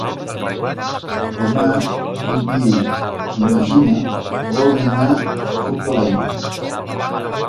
Demà en Guiu i na Gina volen anar a Fortaleny.